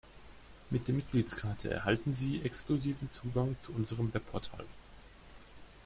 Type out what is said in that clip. Mit der Mitgliedskarte erhalten Sie exklusiven Zugang zu unserem Webportal.